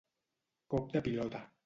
Cop de pilota.